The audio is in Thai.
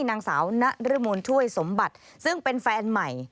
นางสาวนรมนช่วยสมบัติซึ่งเป็นแฟนใหม่